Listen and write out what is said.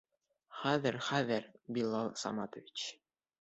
Хәҙер, хәҙер, Билал Саматович!